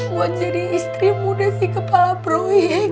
buat jadi istri muda si kepala browing